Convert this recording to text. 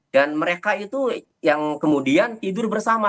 dan mereka itu yang kemudian tidur bersama